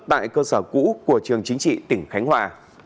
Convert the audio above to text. tại cơ sở cũ của trường chính trị tỉnh khánh hòa